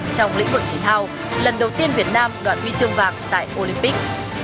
trong lĩnh vực thể thao lần đầu tiên việt nam đoạt mi trường vàng tại olympic